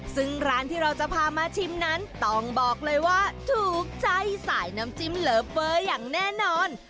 ซึ่งร้านที่เราจะพามาชิมนั้นต้องบอกเลยว่าถูกใจสายน้ำจิ้มเลิฟเวอร์อย่างแน่นอน